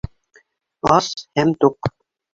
Ас һәм туҡ